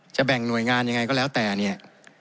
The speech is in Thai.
แบ่งหน่วยงานยังไงก็แล้วแต่เนี่ย